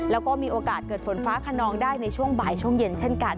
แล้วก็มีโอกาสเกิดฝนฟ้าขนองได้ในช่วงบ่ายช่วงเย็นเช่นกัน